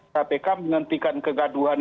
kpk menentikan kegaduhan